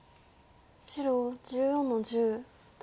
白１４の十トビ。